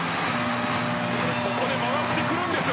ここで回ってくるんですよ